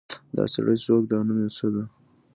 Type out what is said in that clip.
دا سړی څوک ده او نوم یې څه ده